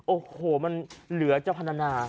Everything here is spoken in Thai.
โอ้โหมันเหลือจะพันธนา